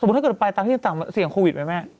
สมมุติถ้าเกิดไปตามที่ตามเสียงโควิดไหมเม